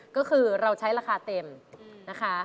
ก็คือเราใช้ราคาเต็มนะคะ